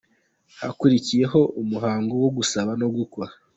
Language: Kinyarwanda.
Hakurikiyeho umuhango wo gusaba no gukwa.